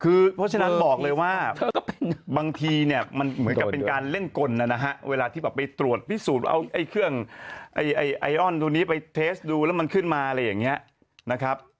คือเพราะฉะนั้นบอกเลยว่าบางทีเนี่ยมันเหมือนกับเป็นการเล่นกลนะฮะเวลาที่แบบไปตรวจพิสูจน์เอาเครื่องไออนตัวนี้ไปเทสดูแล้วมันขึ้นมาอะไรอย่างนี้นะครับ